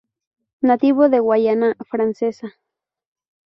Nativo de Guayana francesa.